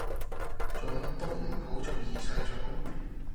做乜都唔好做二世祖